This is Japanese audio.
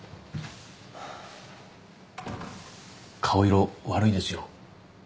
顔色悪いですよ。